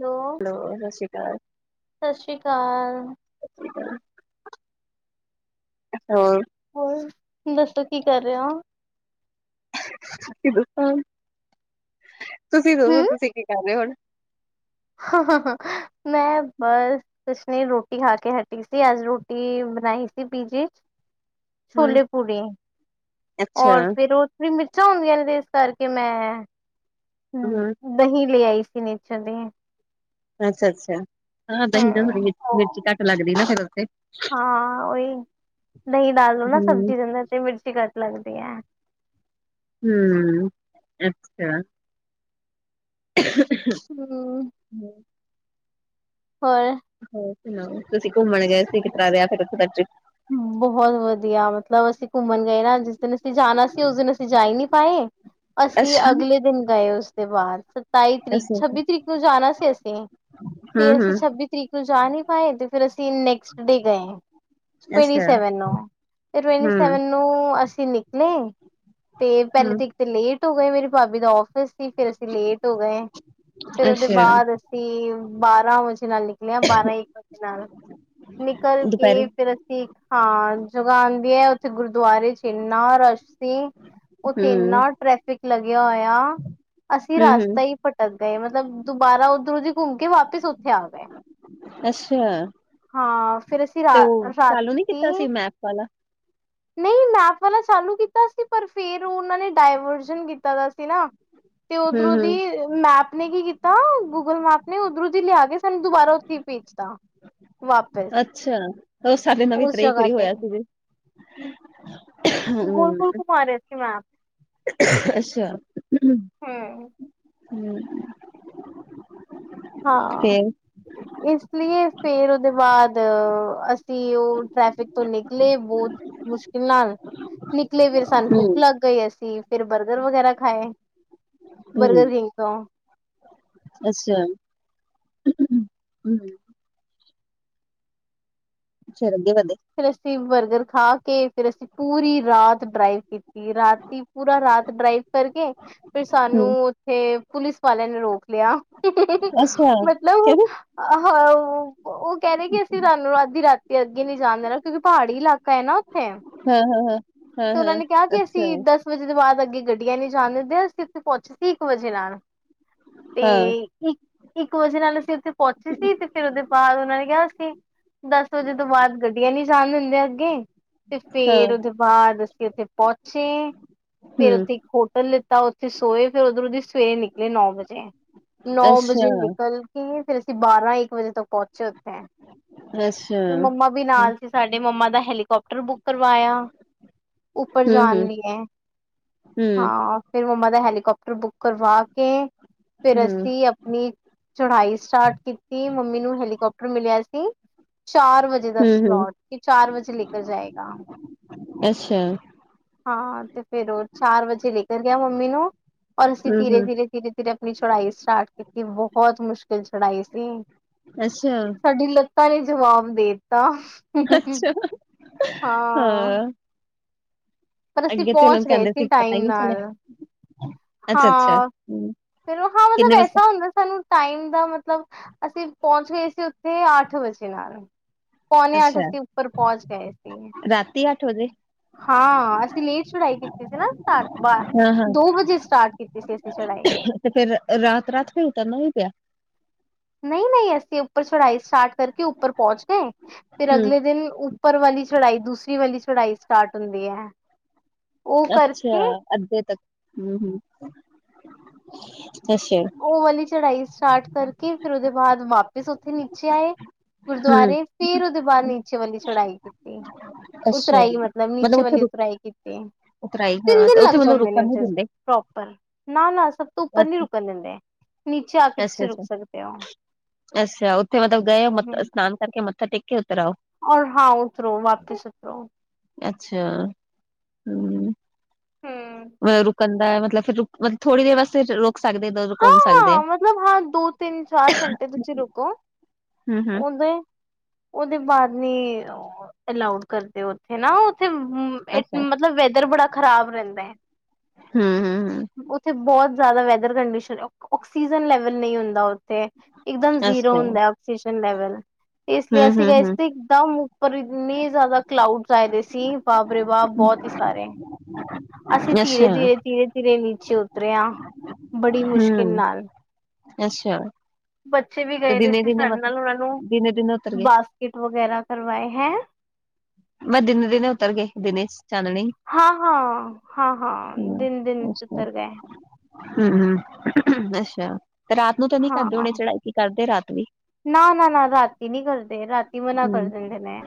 Hello ਸਤਿ ਸ਼੍ਰੀ ਅਕਾਲ ਸਤਿ ਸ਼੍ਰੀ ਅਕਾਲ ਸ਼੍ਰੀ ਹਾਂ ਹੋਰ ਦੱਸੋ ਕੀ ਕਰ ਰੇ ਆ ਤੁਂ ਦੱਸੋ ਤੁਸੀਂ ਦੱਸੋ ਤੁਸੀਂ ਕੀ ਕਰ ਰ ਹੋੁਣ ਮੈਂ ਬਸ ਕੁੱਛ ਨਹੀਂ ਰੋਟੀ ਖਾ ਕੇ ਹਟੀ ਸੀ ਅੱਜ ਰੋਟੀ ਬਣਾਈ ਸੀ ਪੀਜੀੀ ਚ ਹਮ ਛੋਲੇ ਪੂਰੀ ਅੱਛਾ ਔਰ ਫੇਿਰ ਉਹ ਵੀ ਮਿਰਚਾਂ ਹੁੰਦੀਆਂ ਨੇ ਤੇ ਇਸ ਕਰਕੇ ਮੈਂ ਹਮ ਦਹੀਂ ਲੈ ਆਈ ਸੀ ਨੀਚੋਂ ਦੇ ਅੱਛਾ ਅੱਛਾ ਹਾਂ ਦਹੀਂ ਹਮ ਮਿਰਚ ਘੱਟ ਲੱਗਦੀ ਨਾ ਫਿਰ ਉੱਥੇ ਹਾਂ ਓਈ ਦਈ ਡਾਲ ਲੋ ਨਾ ਹਮ ਸਬਜ਼ੀ ਦਿੰਦੇ ਤੇ ਮਿਰਚੀ ਘੱਟ ਲੱਗਦੀ ਏ ਹੂੰ ਅੱਛਾ [unintelligible] ਹੂੰ [unintelligible] ਹੋਰ ਹੋਰ ਸੁਣਾਓ ਤੁਸੀਂ ਘੁੰਮਣ ਗਏ ਸੀ ਕਿ ਤਰ੍ਹਾਂ ਫਿਰ ਉੱਥੇ ਦਾ ਟਰਿਪ? ਬਹੁਤ ਵਧੀਆ ਮਤਲਬ ਅਸੀਂ ਘੁੰਮਣ ਗਏ ਨਾ ਜਿਸ ਦਿਨ ਅਸੀਂ ਜਾਣਾ ਸੀ ਉਸ ਦਿਨ ਅਸੀਂ ਜਾ ਈ ਨੀ ਪਾਏ। ਅਸੀਂ ਅੱਛਾ ਅਗਲੇ ਦਿਨ ਗਏ ਉਸਦੇ ਬਾਅਦ। ਸਤਾਈ ਤਰੀਕ ਅੱਛਾ ਛੱਬੀ ਤਰੀਕ ਨੂੰ ਜਾਣਾ ਸੀ ਅਸੀਂ। ਫੇਰ ਹਮ ਅਸੀਂ ਹਮ ਛੱਬੀ ਤਰੀਕ ਨੂੰ ਜਾ ਨੀ ਪਾਏ ਤੇ ਫੇਰ ਅਸੀਂ ਨੈਕਸਟ ਡੇ ਗਏ ਆ। ਟਵੰਟੀ ਅੱਛਾ ਸੈਵਨ ਨੂੰ, ਟਵੰਟੀ ਹਮ ਸੈਵਨ ਨੂੰ ਤੋ ਅਸੀਂ ਨਿਕਲੇ, ਤੇ ਪਹਿਲੇ ਹਮ ਤੇ ਇੱਕ ਤੇ ਲੇਟ ਹੋ ਗਏ ਮੇਰੀ ਭਾਬੀ ਦਾ ਆ ਆਫਿਸ ਸੀ ਫੇਰ ਅਸੀਂ ਲੇਟ ਹੋ ਗਏ। ਫਿਰ ਉਹਦੇ ਅੱਛਾ ਬਾਅਦ ਅਸੀਂ ਬਾਰਾਂ ਵਜੇ ਨਾਲ ਨਿਕਲੇ ਆ ਬਾਰਾਂ ਇੱਕ ਵਜੇ ਨਾਲ। ਨਿਕਲ ਕੇ ਦੁਪਹਿਰੇ ਫਿਰ ਅਸੀਂ ਹਾਂ ਜਗ੍ਹਾ ਆਂਦੀ ਏ ਉੱਥੇ ਗੁਰਦੁਆਰੇ ਚ ਏਂਨਾ ਰਸ਼ ਸੀ ਉੱਥੇ ਹਮ ਏੰਨਾ ਟ੍ਰੈਫਿਕ ਲੱਗਿਆ ਹੋਇਆ। ਅਸੀਂ ਹਮ ਹਮ ਰਸਤਾ ਈ ਭਟਕ ਗਏ ਮਤਲਬ ਦੁਬਾਰਾ ਉੱਧਰੋ ਦੀ ਘੁੰਮ ਕੇ ਵਾਪਿਸ ਉੱਥੇ ਆ ਗਏ। ਅੱਛਾ ਹਾਂ ਫਿਰ ਅਸੀਂ ਰਾ ਤੇ ਉਹ ਚਾਲੂ ਨੀ ਰਾਤੀ ਕੀਤਾ ਸੀ ਮੈਪ ਵਾਲਾ [inaudible] ਨਈ ਮੈਪ ਵਾਲਾ ਚਾਲੂ ਕੀਤਾ ਸੀ ਪਰ ਫੇਰ ਉਹਨਾਂ ਨੇ ਡਾਇਵਰਜਨ ਕੀਤਾ ਦਾ ਸੀ ਨਾ। ਤੇ ਉਧਰੋਂ ਹਮ ਦੀ ਹਮ ਮੈਪ ਨੇ ਕੀ ਕੀਤਾ ਗੂਗਲ ਮੈਪ ਨੇ ਉੱਧਰੋਂ ਦੀ ਲਿਆ ਕੇ ਸਾਨੂੰ ਦੁਬਾਰਾ ਉੱਥੇ ਈ ਭੇਜਤਾ। ਵਾਪਿਸ। ਅੱਛਾ, ਉਹ ਸਾਡੇ ਨਾਲ ਵੀ ਉਸ ਤਰੇਈ ਜਗ੍ਹਾ ਪੁਰੀ ਤੇ ਹੋਇਆ ਸੀ ਜੇ ਗੋਲ-ਗੋਲ ਘੁਮਾ ਰਿਹਾ ਸੀ ਮੈਪ। ਅੱਛਾ ਹਾਂ ਹੂੰ ਹਾਂ ਫੇਰ ਇਸ ਲੀਏ ਫੇਰ ਉਹਦੇ ਬਾਅਦ ਅਸੀ ਉਹ ਟ੍ਰੈਫਿਕ ਤੋ ਨਿਕਲੇ ਬਹੁਤ ਮੁਸ਼ਕਿਲ ਨਾਲ ਨਿਕਲੇ ਫਿਰ ਸਾਨੂੰ ਹੂੰ ਭੁੱਖ ਲੱਗ ਗਈ ਅਸੀ ਫਿਰ ਬਰਗਰ ਵਗੈਰਾ ਖਾਏ, ਬਰਗਰ ਹੂੰ ਕਿੰਗ ਤੋ। ਅੱਛਾ ਹੂੰ ਫਿਰ ਅੱਗੇ ਵਧੇ। ਫਿਰ ਅਸੀ ਬਰਗਰ ਖਾ ਕੇ ਫਿਰ ਅਸੀ ਪੂਰੀ ਰਾਤ ਡਰਾਈਵ ਕੀਤੀ। ਕੀਤੀ ਰਾਤੀ ਪੂਰਾ ਰਾਤ ਡਰਾਈਵ ਕਰਕੇ ਫਿਰ ਸਾਨੂੰ ਹੂੰ ਉਥੇ ਪੁਲਿਸ ਵਾਲਿਆਂ ਨੇ ਰੋਕ ਲਿਆ, ਅੱਛਾ ਮਤਲਬ ਕਿਵੇਂ ਹ ਉਹ ਕਹਿੰਦੇ ਕਿ ਅਸੀ ਤੁਹਾਨੂੰ ਅੱਧੀ ਰਾਤੀ ਅੱਗੇ ਨੀ ਜਾਣ ਦੇਣਾ ਕਿਉਕਿ ਪਹਾੜੀ ਇਲਾਕਾ ਹੈ ਨਾ ਉਥੇ, ਹਾਂ ਹਾਂ ਹਾਂ ਹਾਂ ਤੇ ਉਹਨਾਂ ਹਾਂ ਨੇ ਕਿਹਾ ਕਿ ਅੱਛਾ ਅਸੀ ਦੱਸ ਵਜੇ ਦੇ ਬਾਅਦ ਅੱਗੇ ਗੱਡੀਆਂ ਨੀ ਜਾਣ ਦਿੰਦੇ ਅਸੀ ਉਥੇ ਪਹੁੰਚੇ ਸੀ ਇਕ ਵਜੇ ਨਾਲ। ਤੇ ਹਾਂ ਇਕ ਇਕ ਵਜੇ ਨਾਲ ਅਸੀ ਉਥੇ ਪਹੁੰਚੇ ਸੀ ਤੇ ਫਿਰ ਉਹਦੇ ਬਾਅਦ ਉਹਨਾਂ ਨੇ ਕਿਹਾ ਸੀ ਦਸ ਵਜੇ ਤੋ ਬਾਅਦ ਗਡੀਆ ਨੀ ਜਾਣ ਦਿੰਦੇ ਅੱਗੇ, ਤੇ ਹਾਂ ਫੇਰ ਉਦੇ ਬਾਰ ਅਸੀਂ ਉੱਥੇ ਪਹੁੰਚੇ। ਹੂੰ ਫੇਰ ਅਸੀ ਇੱਕ ਹੋਟਲ ਲਿੱਤਾ ਉੱਥੇ ਸੋਏ ਫੇਰ ਉਧਰੋਂ ਸਵੇਰੇ ਨਿਕਲੇ ਨੌ ਵਜੇ। ਨੌ ਵਜੇ ਅੱਛਾ ਨਿਕਲ ਫੇਰ ਅਸੀਂ ਬਾਰਾਂ ਇੱਕ ਵਜੇ ਤੋਂ ਪਹੁੰਚੇ ਉੱਥੇ। ਅੱਛਾ ਫੇਰ ਮੰਮਾ ਵੀ ਹੂੰ ਨਾਲ ਸੀ ਸਾਡੇ ਮੰਮਾ ਦਾ ਹੈਲੀ ਕਾਪਟਰ ਬੁੱਕ ਕਰਵਾਇਆ, ਉਪਰ ਹੂੰ ਜਾਣ ਲਈਏ ਹੂੰ ਹਾਂ। ਫਿਰ ਮੰਮਾ ਦਾ ਹੈਲੀਕਾਪਟਰ ਬੁੱਕ ਕਰਵਾ ਕੇ, ਫੇਰ ਹੂੰ ਅਸੀ ਆਪਣੀ ਚੜਾਈ ਸਟਾਟ ਕੀਤੀ ਮੰਮੀ ਨੂੰ ਹੈਲੀਕਾਪਟਰ ਮਿਲਿਆ ਸੀ ਚਾਰ ਵਜੇ। ਦਾ ਹੂੰ ਹੂੰ ਸਲੋਟ ਕਿ ਚਾਰ ਵਜੇ ਲੈ ਕਰ ਜਾਏਗਾ। ਅਛਾ। ਹਾਂ, ਤੇ ਫੇਰ ਉਹ ਚਾਰ-ਵਜੇ ਲੇਕਰ ਗਿਆ ਮੰਮੀ ਨੂੰ, ਔਰ ਅਸੀ ਹੂੰ ਹੂੰ ਧੀਰੇ-ਧੀਰੇ-ਧੀਰੇ ਫਿਰ ਅਪਣੀ ਚ੍ਹੜਾਈ ਸਟਾਰਟ ਕੀਤੀ, ਬਹੁਤ ਮੁਸ਼ਕਿਲ ਚੜ੍ਹਾਈ ਸੀ, ਅੱਛਾ ਸਾਡੀ ਲ ਲਤਾਂ ਨੇ ਜਵਾਬ ਦੇਤਾ, ਅੱਛਾ ਹਾਂ ਪਰ ਅਸੀ ਅੱਗੇ ਤੇ ਪਹੁੰਚ ਲੋਕ ਗਏ ਕਹਿੰਦੇ ਸੀ, ਪਤਾ ਟਾਈਮ ਹੀ ਨਹੀਂ ਚਲਿਆ ਨਾਲ। ਅੱਛਾ ਅੱਛਾ ਹਾਂ, ਹੂੰ ਫਿਰ ਹਾਂ ਕਿੰਨੇ ਮਤਲਬ ਵਜੇ ਐਸਾ ਹੁੰਦਾ ਸਾਨੂੰ ਟਾਈਮ ਦਾ ਮਤਲਬ, ਅਸੀ ਪਹੁੰਚ ਗਏ ਸੀ ਉਥੇ ਅੱਠ ਵਜੇ ਨਾਲ। ਤੱਕ ਪੌਨੇ ਅੱਠ ਅੱਛਾ ਅਸੀ ਉੱਪਰ ਪਹੁੰਚ ਗਏ ਸੀਗੇ। ਰਾਤੀ ਅੱਠ ਵਜੇ? ਹਾਂ, ਅਸੀ ਲੇਟ ਚ੍ਹੜਾਈ ਕੀਤੀ ਸੀ ਨਾ, ਸਟਾਰਟ ਬਾਹਰ ਹਾਂ ਹਾਂ ਦੋ ਵਜੇ ਅਸੀ ਕੀਤੀ ਸੀ ਚ੍ਹੜਾਈ। ਤੇ ਫੇਰ, ਰਾਤ-ਰਾਤ ਫਿਰ ਉਤਰਨਾ ਵੀ ਪਿਆ? ਨਹੀ-ਨਹੀ, ਅਸੀ ਉਪਰ ਚ੍ਹੜਾਈ ਸਟਾਰਟ ਕਰਕੇ ਉਪਰ ਪਹੁੰਚ ਗਏ, ਫਿਰ ਹੂੰ, ਅਗਲੇ ਦਿਨ ਉੱਪਰ ਵਾਲੀ ਚ੍ਹੜਾਈ, ਦੂਸਰੀ ਵਾਲੀ ਚ੍ਹੜਾਈ ਸਟਾਰਟ ਹੁੰਦੀ ਹੈ। ਉਹ ਅਛਾ! ਕਰਕੇ ਅੱਧੇ ਤੱਕ ਹੂੰ-ਹੂੰ- ਉਹ ਵਾਲੀ ਚ੍ਹੜਾਈ ਸਟਾਰਟ ਕਰਕੇ, ਫਿਰ ਉਹਦੇ ਬਾਅਦ ਵਾਪਿਸ ਉਥੇ ਨੀਚੇ ਆਏ‌। ਗੁਰਦੁਆਰੇ, ਅੱਛਾ-ਅੱਛਾ। ਫਿਰ ਉਹਦੇ ਬਾਅਦ ਨੀਚੇ ਵਾਲੀ ਚੜਾਈ ਕੀਤੀ। ਉਤਰਾਈ ਮਤਲਬ, ਨੀਚੇ ਉੱਥੇ ਵਾਲੀ ਰੁ ਉਤਰਾਈ ਕਿ ਤਿੰਨ ਉਤਰਾਈ ਹਾਂ ਤੇ ਦਿਨ ਉੱਥੇ ਲੱਗ ਮਤਲਬ ਜਾਂਦੇ ਨੇ ਰੁਕਣ ਨੀ ਉਥੇ ਦਿੰਦੇ। ਪ੍ਰੋਪਰ, ਨਾ-ਨਾ ਸਭ ਤੋ ਉਪਰ ਨੀ ਰੁਕ ਰੁਕਣ ਦਿੰਦੇ। ਨੀਚੇ ਆ ਕੇ ਤੁਸੀਂ ਸਕਦੇ ਹੋ ਅਛਾ-ਅਛਾ-ਅਛਾ ਉਥੇ ਮਤਲਬ ਗਏ ਮ ਹੂੰ ਇਸਨਾਨ ਕਰਕੇ, ਮੱਥਾ ਟੇਕਕੇ ਉਤਰ ਆਓ? ਔਰ ਹਾਂ, ਉਤਰੋ ਵਾਪਿਸ ਉਤਰੋ। ਅੱਛਾ, ਹੂੰ ਹੂੰ ਵ ਰੁਕਨਦਾ ਮਤਲਬ ਫਿਰ ਰੁ, ਮਤਲ ਥੋੜੀ ਦੇਰ ਵਾਸਤੇ ਰੋ ਸਕਦੇ, ਦ ਘੁੰਮ ਸਕਦੇ। ਹਾਂ-ਹਾਂ ਮਤਲਬ ਹਾਂ ਦੋ ਤਿੰਨ ਚਾਰ ਘੰਟੇ ਤੁਸੀਂ ਰੁਕੋ ਹੂੰ, ਹੂੰ। ਉਹਦੇ ਉਹਦੇ ਬਾਅਦ ਨੀ ਅਲਾਓਡ ਕਰਦੇ ਉੱਥੇ ਨਾ, ਉੱਥੇ ਅ ਅੱਛਾ ਮਤਲਬ ਵੈਦਰ ਬੜਾ ਖ਼ਰਾਬ ਰਹਿੰਦਾ। ਹੂੰ, ਹੂੰ, ਹੂੰ। ਉੱਥੇ ਬਹੁਤ ਜਿਆਦਾ ਵੈਦਰ ਕੰਡੀਸ਼ਨ, ਔਕਸੀਜਨ ਲੈਵਲ ਨਹੀਂ ਹੁੰਦਾ ਤੇ, ਇੱਕਦਮ ਜ਼ੀਰੋ ਅੱਛਾ। ਹੁੰਦਾ ਔਕਸੀਜਨ ਲੈਵਲ। ਇਸ ਲਈ ਅਸੀਂ ਹੂੰ-ਹੂੰ, ਹੂੰ, ਗਏ ਸੀ, ਹੂੰ, ਇਕਦਮ ਉੱਪਰ ਇੰਨੇ ਜ਼ਿਆਦਾ ਕਲਾਊਡ ਆਏਦੇ ਸੀ, ਬਾਪਰੇ ਬਾਪ! ਬਹੁਤ ਹੀ ਸਾਰੇ। ਅਸੀ ਅੱਛਾ, ਧੀਰੇ-ਧੀਰੇ, ਧੀਰੇ-ਧੀਰੇ ਨੀਚੇ ਉਤਰੇ ਆਂ। ਬੜੀ ਮੁਸ਼ਕਿਲ ਹੂੰ, ਨਾਲ। ਅੱਛਾ ਬੱਚੇ ਵੀ ਤੇ ਗਏ ਦੇ ਸੀ ਦਿਨੇ-ਦਿਨੇ ਸਾਡੇ ਨਾਲ ਉਹਨਾਂ ਨੂੰ, ਮਤਲਬ ਦਿਨੇ-ਦਿਨੇ ਉਤਰ ਗਏ। ਬਾਸਕਿਟ ਵਗੈਰਾ ਕਰਵਾਏ। ਹੈਂ? ਮੈਂ ਦਿਨੇ-ਦਿਨੇ ਉਤਰ ਗਈ ਦਿਨੇ'ਚ। ਹਾਂ-ਹਾਂ, ਹਾਂ-ਹਾਂ ਹੂੰ ਦਿਨ-ਦਿਨ'ਚ ਅੱਛਾ। ਉਤਰ ਗਏ। ਹੂੰ, ਅੱਛਾ। ਤੇ ਰਾਤ ਨੂੰ ਤਾਂ ਨੀ ਕਰਦੇ ਹੋਣੇ ਚ੍ਹੜਾਈ, ਕੀ ਕਰਦੇ ਰਾਤ ਵੀ? ਨਾ-ਨਾ-ਨਾ, ਰਾਤੀ ਨੀ ਕਰਦੇ, ਰਾਤੀ ਮਨਾ ਕਰ ਹੂੰ। ਦਿੰਦੇ ਨੇ।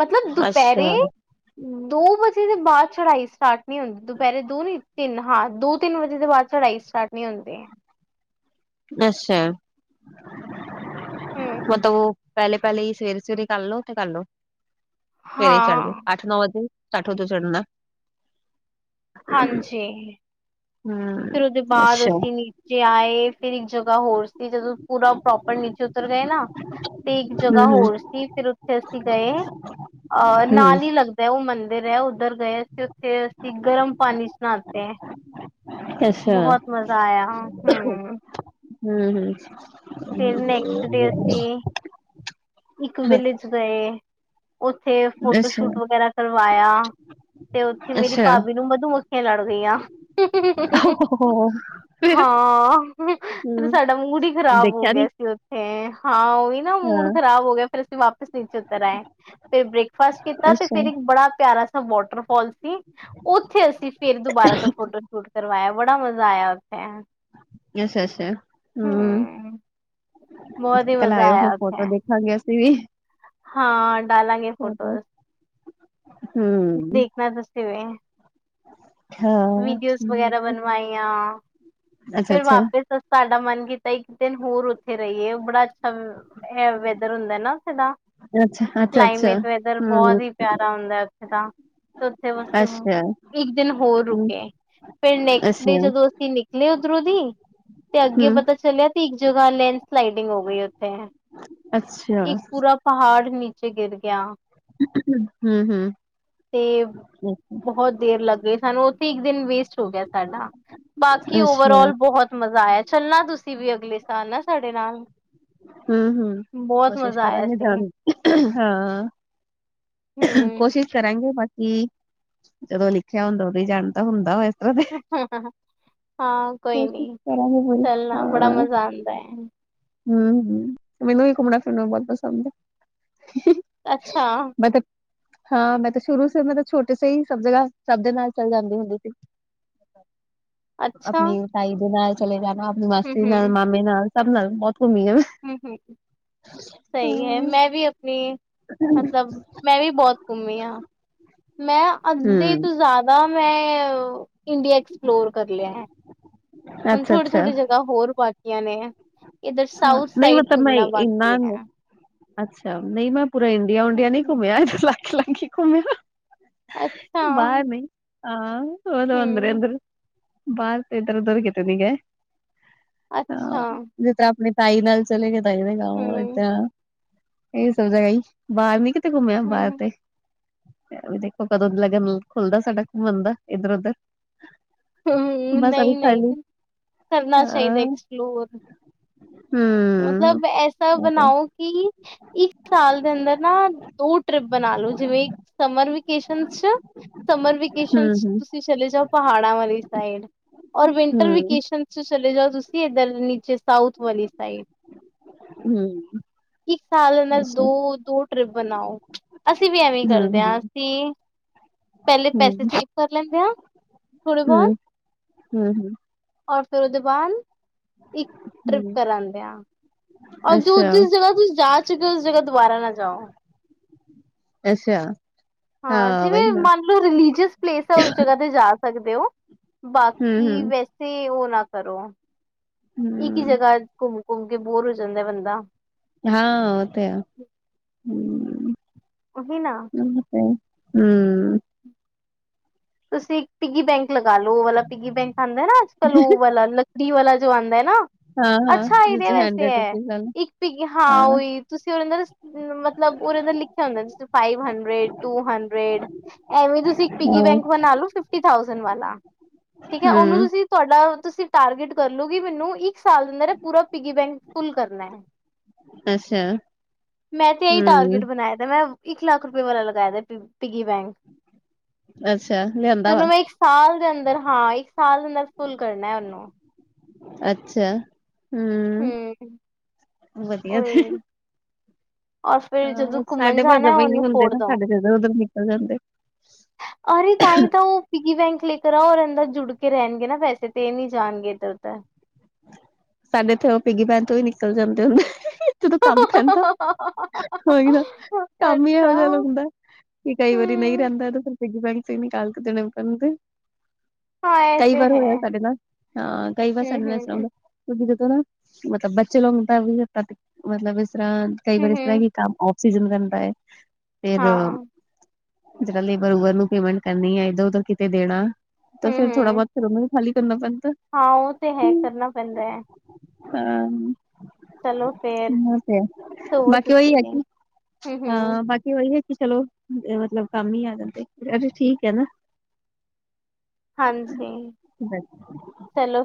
ਮਤਲਬ ਦੁਪਹਿਰੇ, ਅੱਛਾ-ਅੱਛਾ ਦੋ ਵਜੇ ਦੇ ਬਾਅਦ ਚ੍ਹੜਾਈ ਸਟਾਰਟ ਨਹੀ ਹੁੰ, ਦੁਪਹਿਰੇ ਦੋ, ਨੀ ਤਿੰਨ ਹਾਂ ਦੋ-ਤਿੰਨ ਵਜੇ ਦੇ ਬਾਅਦ, ਚੜਾਈ ਸਟਾਰਟ ਨਹੀ ਹੁੰਦੀ। ਅਛਾ। ਹੂੰ ਮਤਲਬ ਉਹ ਪਹਿਲੇ-ਪਹਿਲੇ ਹੀ, ਸਵੇਰੇ- ਸਵੇਰੇ ਕਰਲੋ ਤੇ ਕਰਲੋ, ਸਵੇਰੇ ਚਲ ਹਾਂ ਜੋ ਅੱਠ ਨੌ ਵਜੇ, ਸਟਾਰਟ ਹੋਜੋ ਚੜਨਾ ਹਾਂਜੀ। ਹੂੰ ਫਿਰ ਉਹਦੇ ਬਾਅਦ ਅੱਛਾ। ਅਸੀਂ ਨੀਚੇ ਆਏ, ਫਿਰ ਇੱਕ ਜਗ੍ਹਾ ਹੋਰ ਸੀ, ਜਦੋਂ ਪੂਰਾ ਪ੍ਰੋਪਰ ਨੀਚੇ ਉਤਰ ਗਏ ਨਾ, ਤੇ ਇੱਕ ਜਗ੍ਹਾ ਹੂੰ-ਹੂੰ-ਹੂੰ ਹੋਰ ਸੀ, ਫਿਰ ਉੱਥੇ ਅਸੀਂ ਗਏ ਅਹ ਨਾਲ ਹੀ ਲੱਗ ਤੇ ਉਹ ਮੰਦਿਰ ਏ, ਉੱਧਰ ਗਏ ਅਸੀਂ, ਉੱਥੇ ਅਸੀਂ ਗਰਮ ਪਾਣੀ'ਚ ਨ੍ਹਾਤੇ। ਅੱਛਾ ਬਹੁਤ ਮਜ਼ਾ ਆਇਆ। ਹਮ ਹਮ-ਹਮ। ਫਿਰ ਨੈਕਸਟ ਡੇ ਅਸੀਂ, ਇੱਕ ਵਿਲੇਜ ਗਏ। ਉੱਥੇ ਫੋਟੋ ਸ਼ੂਟ ਵਗੈਰਾ ਕਰਵਾਇਆ। ਤੇ ਉੱਥੇ ਮੇਰੀ ਅੱਛਾ-ਅੱਛਾ ਭਾਬੀ ਨੂੰ ਮਧੂਮੱਖੀਆਂ ਲੜ ਗਈਆਂ। ਫਿਰ ਹਾਂ। ਫੇਰ ਹੂੰ ਸਾਡਾ ਮੂਡ ਹੀ ਖ਼ਰਾਬ ਹੋ ਦੇਖਿਆ ਗਿਆ ਨੀ ਉੱਥੇ ਹਾਂ। ਉਹੀ ਨਾ ਹਾਂ ਮੂਡ ਖ਼ਰਾਬ ਹੋ ਗਿਆ। ਫੇਰ ਅਸੀਂ ਵਾਪਿਸ ਨੀਚੇ ਉਤਰ ਆਏ। ਫਿਰ ਬ੍ਰੇਕਫਾਸਟ ਕੀਤਾ। ਤੇ ਫੇਰ ਇੱਕ ਬੜਾ ਪਿਆਰਾ ਵਾਟਰਫਾਲ ਸੀ। ਉੱਥੇ ਅਸੀਂ ਫੇਰ ਦੁਬਾਰਾ ਤੋਂ ਫੋਟੋ ਸ਼ੂਟ ਕਰਵਾਇਆ। ਬੜਾ ਮਜ਼ਾ ਆਇਆ ਉੱਥੇ। ਅੱਛਾ-ਅੱਛਾ ਹਮ। ਹੂੰ ਬਹੁਤ ਹੀ ਕੱਲ ਮਜ਼ਾ ਆਇਓ ਫਿਰ ਆਇਆ ਉੱਥੇ ਫੋਟੋ ਦੇਖ ਹਾਂਜੀ। ਅਸੀ ਵੀ। ਹਾਂ। ਡਾਲਾਂਗੇ ਫੋਟੋ ਫੋਟੋਜ਼। ਹੂੰ ਦੇਖਣਾ ਤਾਂ ਸੇਵੇਂ। ਹਾਂ ਵੀਡੀਓਜ਼ ਵਗੈਰਾ ਬਣਵਾਈਆਂ। ਫਿਰ ਅੱਛਾ-ਅੱਛਾ, ਵਾਪਿਸ ਸਾਡਾ ਮਨ ਕੀਤਾ ਇੱਕ ਦਿਨ ਹੋਰ ਉੱਥੇ ਰਹੀਏ। ਬੜਾ ਅੱਛਾ ਵੈਦਰ ਹੁੰਦਾ ਨਾ ਉੱਥੇ ਦਾ। ਅੱਛਾ-ਅੱਛਾ-ਅੱਛਾ। ਕਲਾਈਮੇਟ ਵੈਦਰ ਬਹੁਤ ਹੂੰ ਹੀ ਪਿਆਰਾ ਹੁੰਦਾ ਉੱਥੇ ਦਾ। ਉੱਥੇ ਬਸ ਅੱਛਾ, ਇੱਕ ਦਿਨ ਹੋਰ ਹੂੰ ਰੁਕੇ। ਫੇਰ ਨੈਕਸਟ ਡੇ ਅੱਛਾ, ਜਦੋਂ ਨਿਕਲੇ ਉੱਧਰੋਂ ਦੀ ਤੇ ਅੱਗੇ ਹੂੰ ਪਤਾ ਚਲਿਆ ਤੇ ਇੱਕ ਜਗ੍ਹਾ ਲੈਂਡ ਸਲਾਈਡਿੰਗ ਹੋ ਗਈ ਉਥੇ। ਅੱਛਾ। ਇੱਕ ਪੂਰਾ ਪਹਾੜ ਨੀਚੇ ਗਿਰ ਗਿਆ। ਹਮ-ਹਮ। ਤੇ ਬਹੁਤ ਦੇਰ ਲੱਗ ਗਈ। ਸਾਨੂੰ ਉੱਥੇ ਇੱਕ ਦਿਨ ਵੇਸਟ ਹੋ ਗਿਆ ਸਾਡਾ। ਬਾਕੀ ਅੱਛਾ, ਓਵਰਆਲ ਬਹੁਤ ਮਜ਼ਾ ਆਇਆ ਚੱਲਣਾ ਤੁਸੀਂ ਵੀ ਅਗਲੇ ਸਾਲ ਨਾ ਸਾਡੇ ਨਾਲ ਹਮ-ਹਮ ਬਹੁਤ ਕੋਸ਼ਿਸ਼ ਮਜ਼ਾ ਆਇਆ ਕਰਾਂਗੇ ਸੀ ਜਾਣ ਹਾਂ। ਹਮ ਕੋਸ਼ਿਸ਼ ਕਰਾਂਗੇ। ਬਾਕੀ ਜਦੋਂ ਲਿਖਿਆ ਹੁੰਦਾ। ਉਦ ਹੀ ਜਾਣ ਤਾਂ ਹੁੰਦਾ ਵ। ਹਾਂ। ਕੋਈ ਨੀ, ਕੋਸ਼ਿਸ਼ ਕਰਾਂਗੇ ਚੱਲਣਾ। ਬੜਾ ਮਜ਼ਾ ਆਉਂਦਾ ਹੈ। ਹਮ- ਹਮ ਮੈਨੂੰ ਵੀ ਘੁੰਮਣਾ- ਫਿਰਨਾ ਬਹੁਤ ਪਸੰਦ ਆ। ਅੱਛਾ। ਮਤਲਬ ਹਾਂ। ਮੈਂ ਤਾਂ ਸ਼ੁਰੂ ਤੋਂ ਮੈਂਲਬ ਛੋਟੇ ਸੇਹੀ ਸਭ ਜਗ੍ਹਾ ਸਭ ਦੇ ਨਾਲ ਚੱਲ ਜਾਂਦੀ ਹੁੰਦੀ ਸੀ। [inaudible] ਅੱਛਾ ਆਪਣੀ ਤਾਈ ਦੇ ਨਾਲ ਚਲੇ ਜਾਣਾ, ਆਪਣੀ ਹਮ ਮਾਸੀ ਨਾਲ, ਹਮ ਮਾਮੇ ਨਾਲ ਸਭ ਨਾਲ ਬਹੁਤ ਘੁੰਮੀ ਆ। ਹਮ -ਹਮ ਸਹੀ ਹੈ। ਮੈਂ ਵੀ ਆਪਣੀ ਮਤਲਬ ਮੈਂ ਵੀ ਬਹੁਤ ਘੁੰਮੀ ਹਾਂ। ਮੈਂ ਅੱਧੇ ਹੂੰ ਤੋਂ ਜ਼ਿਆਦਾ ਮੈਂ, ਇੰਡੀਆ ਐਕਸਪਲੋਰ ਕਰ ਲਿਆ ਹੈ। ਹੁਣ ਅੱਛਾ ਥੋੜੀ- ਅੱਛਾ ਥੋੜ੍ਹੀ ਜਗ੍ਹਾ ਹੋਰ ਬਾਕੀਆਂ ਨੇ। ਇੱਧਰ ਹਾਂ ਸਾਊਥ ਨਹੀਂ ਸਾਈਡ ਮਤਲਬ ਮੈਂ ਘੁੰਮਣਾ ਬਾਕੀ ਇੰਨਾ ਹੈ। ਅੱਛਾ। ਨਹੀਂ ਮੈਂ ਪੂਰਾ ਇੰਡੀਆ- ਉੰਡੀਆ ਨਹੀਂ ਘੁੰਮਿਆ। ਇਧਰ ਲਾਕੇ -ਲਾਕੇ ਘੁੰਮਿਆ। ਅੱਛਾ ਬ ਨ ਆਹ ਐਦਰ- ਹਮ ਉਦਰੀ ਅ। ਬਾਰ ਐਦਰ- ਉਦੋੁਰ ਕਿਤੇ ਨਹੀਗੇ। ਅੱਛਾ। ਆਪਣੇ ਤਾਈ ਨਾਲ ਚਲੇ ਗੇ ਤਾਈ ਦਾ ਹਮ ਘਰ ਇਹ ਸਭ ਜਗ੍ਹਾ ਹੀ ਬਾਹਰ ਨੀ। ਕਿਥ ਘੁੰਮਿਆ ਬਾਹਰ ਹਮ ਤੇ। ਵੀ ਦੇਖੋ ਕਦੋਂ ਲਗਨ ਖੁੱਲਦਾ ਸਾਡਾ ਘੁੰਮਣ ਦਾ ਇੱਧਰ- ਉਧਰ। ਹਮ। ਬਸ ਅ ਨਹੀਂ- ਖਾਲੀ ਨਹੀਂ ਕਰਨਾ ਚਾਹੀਦਾ ਐਕਸਪਲੋਰ। ਹਮ। ਮਤਲਬ ਐਸਾ ਬਣਾਓ ਕਿ ਇੱਕ ਸਾਲ ਦੇ ਅੰਦਰ ਨਾ ਦੋ ਟ੍ਰਿਪ ਬਣਾਾਲੋ। ਜਿਵੇ ਸਮਰ ਵੇਕੇਸ਼ਨ ਸਮਰ ਹੂੰ, ਵੇਕੇਸ਼ਨ ਹੂੰ, ਤੁਸੀਂ ਚਲੇ ਜਾਓ ਪਹਾੜਾਂ ਵਾਲੀ ਸਾਈਡ। ਔਰ ਵਿੰਟਰ ਹੂੰ, ਵੇਕੇਸ਼ਨ ਚਲੇ ਜਾਓ ਤੁਸੀਂ ਇੱਧਰ ਨੀਚੇ ਸਾਊਥ ਵਾਲੀ ਸਾਈਡ ਹੁ ਇੱਕ ਸਾਲ ਦੇ ਨਾਲ ਦੋ ਦੋ ਟ੍ਰਿਪ ਬਣਾਓ ਅਸੀਂ ਵੀ ਐਵੇਂ ਹੂੰ, ਕਰਦੇ ਹੂੰ, ਹਾਂ ਤੇ ਪਹਿਲੇ ਹੂੰ, ਪੈਸੇ ਸੇਵ ਕਰ ਲੈਂਦੇ ਹਾਂ ਥੋੜ੍ਹੇ ਬਹੁਤ ਹੁ ਹੁ ਔਰ ਫਿਰ ਉਹਦੇ ਬਾਅਦ ਇੱਕ ਟ੍ਰਿਪ ਹੂੰ, ਕਰਾ ਆਂਦੇ ਆ ਔਰ ਜੋ ਅੱਛਾ, ਜਿਸ ਜਗ੍ਹਾ ਤੁਸੀਂ ਜਾ ਚੁੱਕੇ ਹੋ ਉਸ ਜਗ੍ਹਾ ਦੁਬਾਰਾ ਨਾ ਜਾਓ ਅੱਛਾ ਹਾਂ ਜਿਵੇ ਵਹੀ ਨਾ, ਮਨ ਲੋ ਰਲੀਜੀਅਸ ਪਲੇਸ ਹੈ ਉਸ ਜਗ੍ਹਾ ਤੇ ਜਾ ਸਕਦੇ ਹੋ ਹੂੰ, ਬਾਕੀ ਹੂੰ, ਵੈਸੇ ਉਹ ਨਾ ਕਰੋ ਹੁ ਇਕ ਈ ਜਗ੍ਹਾ ਘੁੰਮ ਘੁੰਮ ਕੇ ਬੋਰ ਹੋ ਜਾਂਦਾ ਬੰਦਾ ਹਾਂ ਉਹ ਤੇ ਹੈ ਹੁ ਕਹੀ ਨਾ [unintelligible] ਅ ਹੁ ਹੁ ਤੁਸੀਂ ਇੱਕ ਪਿਗੀ ਬੈਂਕ ਲਗਾ ਲਓ ਉਹ ਵਾਲਾ ਪਿਗੀ ਬੈਂਕ ਆਂਦਾ ਨਾ ਅੱਜ ਕੱਲ ਉਹ ਵਾਲਾ ਟੀ ਵਾਲਾ ਜੋ ਆਂਦਾ ਨਾ ਹਾਂ-ਹਾਂ, ਅੱਛਾ ਇਹਦੇ ਜੈਸੇ ਵਾਸਤੇ ਹੰਡਰਡ ਹੈ ਰੁਪੀਜ਼ ਵਾਲਾ, ਇੱਕ ਪਿਗੀ ਹਾਂ ਹਾਂ-ਹਾਂ, ਉਹੀ ਤੁਸੀਂ ਉਹਦੇ ਅੰਦ ਮਤਲਬ ਉਹਦੇ ਤੇ ਲਿਖਿਆ ਹੁੰਦਾ ਸੀ ਫਾਈਵ ਹੰਡਰੇਡ ਟੂ ਹੰਡਰੇਡ ਏਵੇਂ ਤੁਸੀਂ ਇੱਕ ਪਿਗੀ ਬੈਂਕ ਬਨਾ ਲਓ ਫਿਫਟੀ ਥਾਊਸੈਂਡ ਵਾਲਾ ਠੀਕ ਹੈ ਉਹਨੂੰ ਹੂੰ, ਤੁਸੀਂ ਤੁਹਾਡਾ ਤੁਸੀਂ ਟਾਰਗੇਟ ਕਰ ਲਓਗੀ ਮੈਨੂੰ ਇੱਕ ਸਾਲ ਅੰਦਰ ਇਹ ਪੂਰਾ ਪਿਗੀ ਬੈਂਕ ਫੁੱਲ ਕਰਨਾ ਅੱਛਾ, ਮੈਂ ਤੇ ਇਹੀ ਹੂੰ, ਟਾਰਗੇਟ ਬਣਾਇਆ ਦਾ ਮੈਂ ਇੱਕ ਲੱਖ ਰੁਪਏ ਵਾਲਾ ਲਗਾਇਆ ਦਾ ਪ ਪਿਗੀ ਬੈਂਕ ਅੱਛਾ ਤੇ ਲਿਆਂਦਾ ਵਾ ਉਹਨੂੰ ਮੈਂ ਇੱਕ ਸਾਲ ਦੇ ਅੰਦਰ, ਹਾਂ ਇੱਕ ਸਾਲ ਦੇ ਅੰਦਰ ਫੁੱਲ ਕਰਨਾ ਉਹਨੂੰ ਅੱਛਾ ਹੂੰ। ਹੁ ਵਧੀਆ ਤੇ ਉਹੀ ਔਰ ਫੇਿਰ ਜਦੋਂ ਹਾਂ ਘੁੰਮਣ ਸਾਡੇ ਭਾਜਾ ਜਾਣਾ, ਬਈ ਨੀ ਉਹਨੂੰ ਹੁੰਦੇ ਫੋੜ ਨਾ ਦਓ। ਸਾਡੇ ਤੇ ਇੱਧਰ-ਉਧਰ ਨਿਕਲ ਜਾਂਦੇ। ਅਰੇ ਤਾਂ ਹੀ ਤਾਂ ਉਹ ਪਿਗੀ ਬੈਂਕ ਲੇਕਰ ਆਉ, ਅੰਦਰ ਜੁੜ ਕੇ ਰਹਿਣਗੇ ਨਾ ਵੈਸੇ ਤੇ ਨਹੀਂ ਜਾਣਗੇ ਇੱਧਰ ਤਾਂ। ਸਾਡੇ ਇੱਥੇ ਉਹ ਪਿੱਗੀ ਬੈਂਕ ਤੋਂ ਹੀ ਨਿਕਲ ਜਾਂਦੇ ਹੁੰਦੇ ਜਦੋਂ ਕੰਮ ਪੈਂਦਾ। ਹੋ ਈ ਨਾ ਕੰਮ ਹੀ ਇਹੋ ਅੱਛਾ ਜਿਹਾ ਲਗਦਾ। ਕਿ ਕਈ ਵਾਰੀ ਨਹੀਂ ਹੂੰ ਰਹਿੰਦਾ ਤੇ ਫਿਰ ਬਿੱਗੀ ਬੈਂਕ ਚੋ ਈ ਨਿਕਾਲ ਕੇ ਦੇਣੇ ਪੈਂਦੇ। ਹਾਂ ਇਹ ਕਈ ਤੇ ਵਾਰ ਹੋਇਆ ਹੈ ਸਾਡੇ ਨਾਲ ਹਾਂ ਕਈ ਵਾਰ ਹੂੰ ਸਾਡੇ ਨਾਲ ਇਸ ਤਰ੍ਹਾਂ ਹੂੰ। ਹੁੰਦਾ। ਕਿਉਂਕਿ ਜਦੋਂ ਨਾ ਮਤਲਬ ਬੱਚੇ ਲੋਕ ਨੂੰ ਜਦ ਤਕ ਮਤਲਬ ਇਸ ਤਰ੍ਹਾਂ ਕਈ ਹੂੰ, ਵਾਰੀ ਇਸ ਤਰ੍ਹਾਂ ਹੂੰ, ਹੀ ਕੰਮ ਆ ਸੀਜਨ ਰਹਿੰਦਾ ਹੈ ਫੇਰ ਹਾਂ, ਜਿਹੜਾ ਲੇਬਰ ਲੁਬਰ ਨੂੰ ਪੇਮੈਂਟ ਕਰਨੀ ਆ ਏਧਰ ਉਧਰ ਕਿਤੇ ਦੇਣਾ ਤਾ ਹੂੰ, ਫੇਰ ਥੋੜਾ ਹੂੰ, ਬਹੁਤ ਫਿਰ ਉਹਨੂੰ ਖਾਲੀ ਕਰਨਾ ਪੈਂਦਾ। ਹਾਂ ਉਹ ਤੇ ਹੈ ਕਰਨਾ ਪੈਂਦਾ। ਹਾਂ, ਚਲੋ ਫੇਰ [unintelligible] ਤੇ ਸੋਵੋ ਬਾਕੀ ਉਹ ਤੁਸੀਂ ਵੀ, ਹੈ ਹੂੰ, ਹੂੰ, ਹਾ। ਉਹੀ ਹੈ ਕਿ ਚਲੋ ਮਤਲਬ ਕੰਮ ਹੀ ਆ ਜਾਂਦੇ ਅੱਛਾ ਠੀਕ ਹੈ ਨਾ ਹਾਂਜੀ ਨਾ ਚਲੋ,